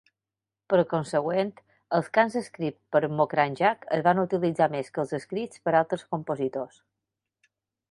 Per consegüent, els cants escrits per Mokranjac es van utilitzar més que els escrits per altres compositors.